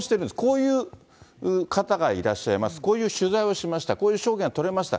こういう方がいらっしゃいます、こういう取材をしました、こういう証言が取れました。